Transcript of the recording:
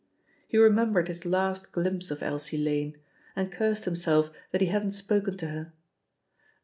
He remembered his last glimpse of Elsie Lane, and cursed himself that he hadn't spoken to her.